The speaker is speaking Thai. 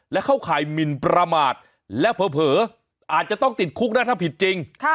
และเข้าข่ายหมินประมาทและเผลออาจจะต้องติดคุกนะถ้าผิดจริง